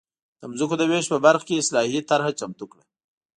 د ځمکو د وېش په برخه کې اصلاحي طرحه چمتو کړه.